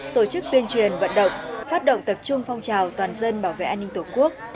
tổ chức tuyên truyền vận động phát động tập trung phong trào toàn dân bảo vệ an ninh tổ quốc